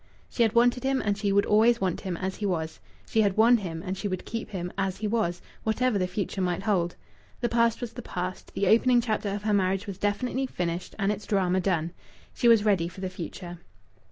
She had wanted him, and she would always want him, as he was. She had won him and she would keep him, as he was, whatever the future might hold. The past was the past; the opening chapter of her marriage was definitely finished and its drama done. She was ready for the future.